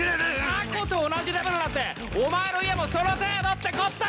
タコと同じレベルなんてお前の家もその程度ってこった！